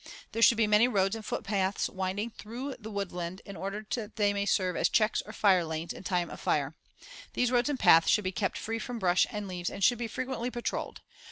There should be many roads and foot paths winding through the woodland in order that they may serve as checks or "fire lanes" in time of fire. These roads and paths should be kept free from brush and leaves and should be frequently patrolled.